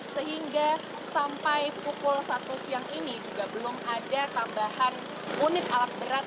sehingga sampai pukul satu siang ini juga belum ada tambahan unit alat berat